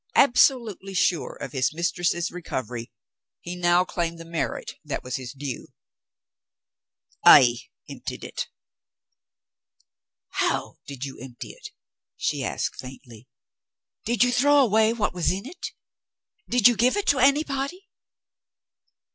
Absolutely sure of his mistress's recovery, he now claimed the merit that was his due. "I emptied it!" "How did you empty it?" she asked faintly. "Did you throw away what was in it? Did you give it to anybody?"